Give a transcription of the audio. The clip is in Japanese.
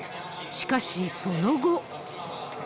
しかし、その後。